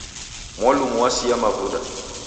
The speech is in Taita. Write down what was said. Mwalumu wasia mavuda.